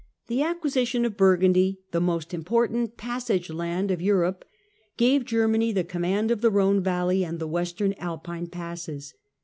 The acquisition of Burgundy, the most important "passage land" of Europe, gave Germany the command of the Ehone valley and the western Alpine passes.